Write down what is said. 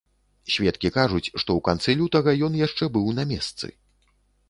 Сведкі кажуць, што ў канцы лютага ён яшчэ быў на месцы.